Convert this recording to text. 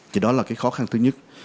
thì đó là cái khó khăn thứ nhất